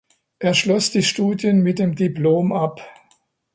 Er schloss die Studien mit dem Diplom ab.